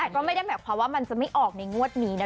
แต่ก็ไม่ได้แบบว่ามันจะไม่ออกในงวดนี้นะ